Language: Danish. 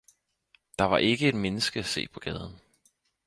Der var ikke et menneske at se på gaden.